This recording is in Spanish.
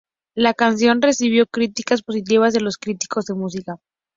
La canción recibió críticas positivas de los críticos de música.